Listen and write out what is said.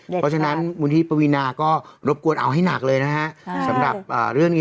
เพราะฉะนั้นมูลที่ปวีนาก็รบกวนเอาให้หนักเลยนะฮะสำหรับเรื่องนี้